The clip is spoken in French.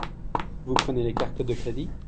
Vous prenez les cartes de crédit ?